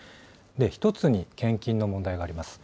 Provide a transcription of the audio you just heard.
一つに献金の問題があります。